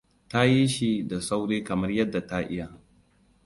Ta yi shi da sauri kamar yadda ta iya.